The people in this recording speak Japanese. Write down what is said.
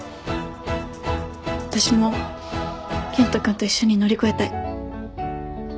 私も健人君と一緒に乗り越えたい。